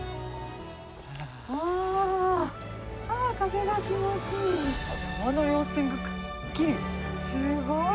あー、あー、風が気持ちいい。